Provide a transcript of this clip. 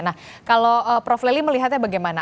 nah kalau prof leli melihatnya bagaimana